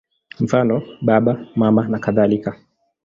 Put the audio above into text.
Mfano: Baba, Mama nakadhalika.